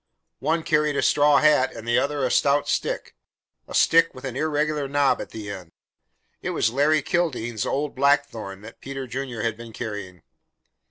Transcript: One carried a straw hat, and the other a stout stick a stick with an irregular knob at the end. It was Larry Kildene's old blackthorn that Peter Junior had been carrying.